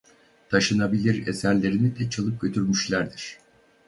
Taşınabilir eserlerini de çalıp götürmüşlerdir.